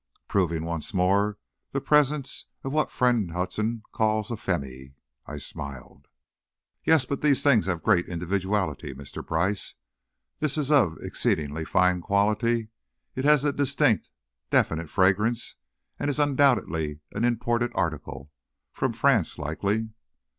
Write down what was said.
"Proving once more the presence of what Friend Hudson calls a femmy," I smiled. "Yes; but these things have great individuality, Mr. Brice. This is of exceedingly fine quality, it has a distinct, definite fragrance, and is undoubtedly an imported article, from France, likely."